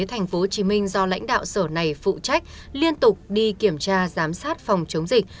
thành phố hồ chí minh do lãnh đạo sở này phụ trách liên tục đi kiểm tra giám sát phòng chống dịch